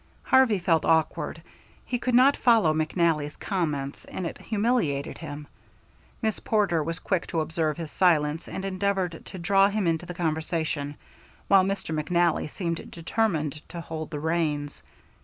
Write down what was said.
Harvey felt awkward. He could not follow McNally's comments, and it humiliated him. Miss Porter was quick to observe his silence, and endeavored to draw him into the conversation, while Mr. McNally seemed determined to hold the reins.